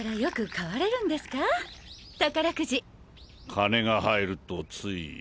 金が入るとつい。